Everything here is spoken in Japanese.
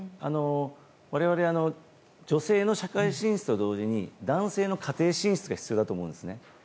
我々は、女性の社会進出と同様に男性の家庭進出が必要だと思うんですね。